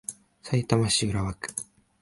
さいたま市浦和区